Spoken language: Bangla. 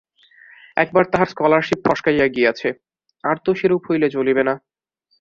একবার তাহার স্কলারশিপ ফসকাইয়া গিয়াছে, আর তো সেরূপ হইলে চলিবে না।